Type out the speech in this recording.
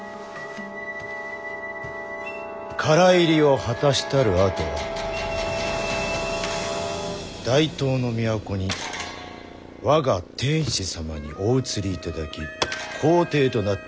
唐入りを果たしたるあとは大唐の都に我が天子様にお移りいただき皇帝となっていただく。